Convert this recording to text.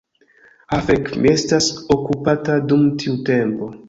Ha fek' mi estas okupata dum tiu tempo